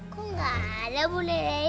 kok gak ada bunda dari